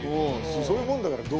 そういうものだからどう？